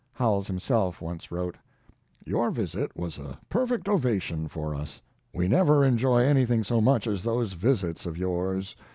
Howells himself once wrote: Your visit was a perfect ovation for us; we never enjoy anything so much as those visits of yours.